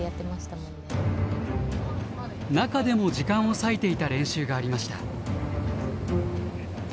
中でも時間を割いていた練習がありました。